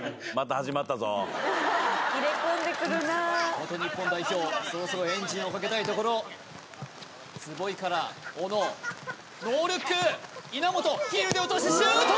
元日本代表そろそろエンジンをかけたいところ坪井から小野ノールック稲本ヒールで落としてシュート！